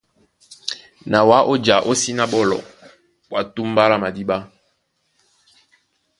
Na wǎ ó ja ó síná á ɓólɔ ɓwá túmbá lá madíɓá.